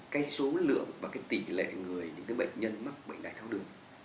cái số lượng và cái tỷ lệ người những cái bệnh nhân mắc bệnh đai thấu đường